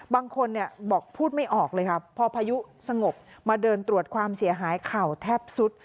บางคนบอกพูดไม่ออกเลยค่ะพอพายุสงบมาเดินตรวจความเสียหายเข่าแทบสุด